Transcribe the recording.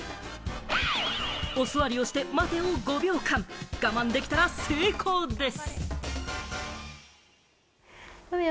お座りをして、待てを５秒間、我慢できたら成功です。